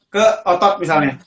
ke otot misalnya